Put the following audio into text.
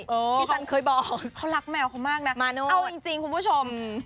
ที่ฉันเคยบอกเขารักแมวเขามากนะเอาจริงคุณผู้ชม